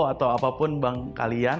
atau apapun bank kalian